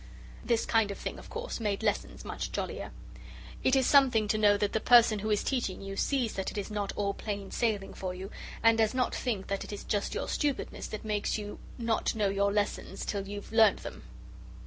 This kind of thing, of course, made lessons much jollier. It is something to know that the person who is teaching you sees that it is not all plain sailing for you, and does not think that it is just your stupidness that makes you not know your lessons till you've learned them!